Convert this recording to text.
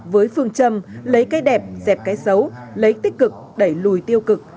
với phương châm lấy cây đẹp dẹp cây xấu lấy tích cực đẩy lùi tiêu cực